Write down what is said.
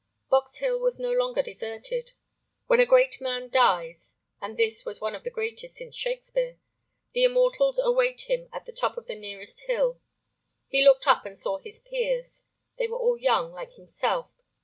Box Hill was no longer deserted. When a great man dies—and this was one of the greatest since Shakespeare—the immortals await him at the top of the nearest hill. He looked up and saw his peers. They were all young, like himself.